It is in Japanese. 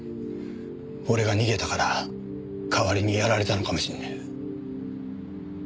俺が逃げたから代わりにやられたのかもしれねえ。